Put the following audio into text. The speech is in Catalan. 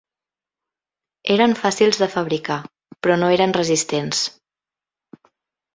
Eren fàcils de fabricar, però no eren resistents.